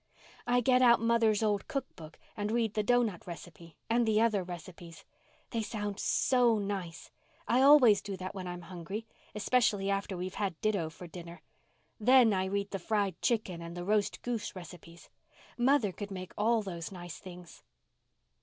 "I get out mother's old cook book and read the doughnut recipe—and the other recipes. They sound so nice. I always do that when I'm hungry—especially after we've had ditto for dinner. Then I read the fried chicken and the roast goose recipes. Mother could make all those nice things."